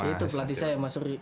itu pelatih saya mas suri